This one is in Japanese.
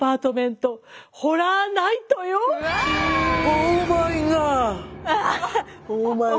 オーマイガー！